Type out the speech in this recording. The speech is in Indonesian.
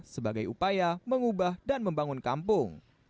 sebagai upaya mengubah dan membangun kampung